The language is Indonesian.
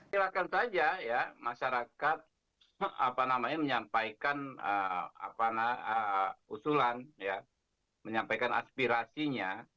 silahkan saja ya masyarakat menyampaikan usulan menyampaikan aspirasinya